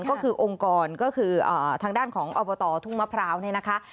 ก็คือองค์กรก็คือทางด้านของอบตทุ่งมะพร้าวเนี่ยนะคะ